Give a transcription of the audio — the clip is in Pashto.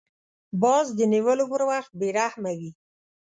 باز د نیولو پر وخت بې رحمه وي